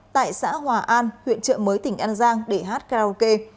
tại xã hòa an huyện trợ mới tỉnh an giang để hát karaoke